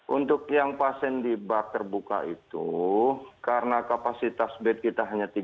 untuk yang pasien di bak terbuka itu karena kapasitas bed kita hanya tiga puluh